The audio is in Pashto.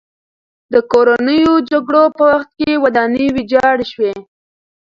د کورنیو جګړو په وخت کې ودانۍ ویجاړه شوې.